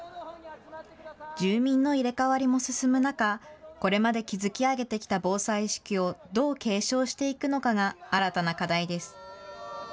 住民の入れ替わりも進む中、これまで築き上げてきた防災意識を、どう継承していくのかが新たな課題です。